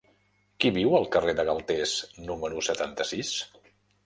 Qui viu al carrer de Galtés número setanta-sis?